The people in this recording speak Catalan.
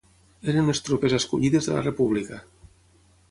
Eren les tropes escollides de la República.